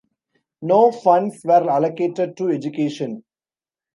No funds were allocated to education.